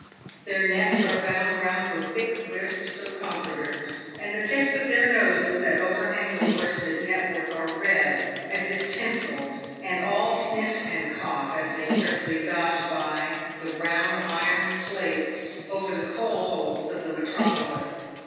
Their necks are bound round with thick wisps of comforters, and the tips of their noses, that overhang the worsted network, are red, as if tinselled, and all sniff and cough, as they carefully dodge by the round iron plates over the coal holes of the metropolis.